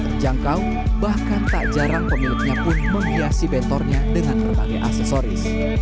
terjangkau bahkan tak jarang pemiliknya pun menghiasi bentornya dengan berbagai aksesoris